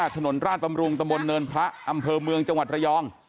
ถนนราชบำรุงตะบนเนินพระอำเภอเมืองจังหวัดระยอง